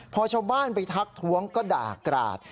พอชาวบ้านไปทักท้วงก็ด่ากราด